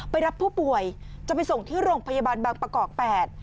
รับผู้ป่วยจะไปส่งที่โรงพยาบาลบางประกอบแปด